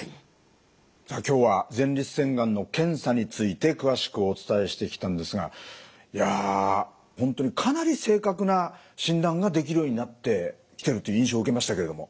さあ今日は前立腺がんの検査について詳しくお伝えしてきたんですがいや本当にかなり正確な診断ができるようになってきてるっていう印象受けましたけれども。